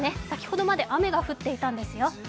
先ほどまで雨が降っていたんです。